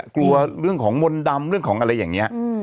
กลัวเรื่องของมนต์ดำเรื่องของอะไรอย่างนี้